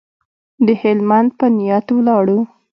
د هلمند په نیت ولاړو.